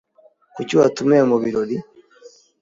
Kuki watumiye mubirori?